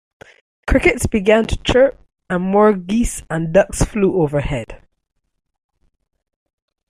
Crickets began to chirp, and more geese and ducks flew overhead.